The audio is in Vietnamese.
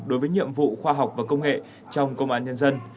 đối với nhiệm vụ khoa học và công nghệ trong công an nhân dân